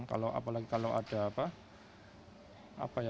kalau ada apa ya